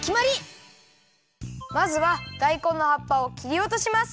まずはだいこんの葉っぱをきりおとします。